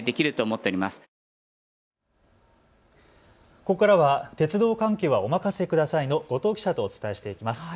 ここからは鉄道関係はお任せくださいの後藤記者とお伝えしていきます。